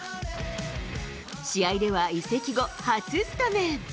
試合では移籍後、初スタメン。